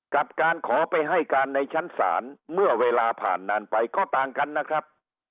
กับการขอไปให้การในชั้นศาลเมื่อเวลาผ่านนานไปก็ต่างกันนะครับ